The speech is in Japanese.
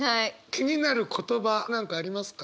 気になる言葉何かありますか？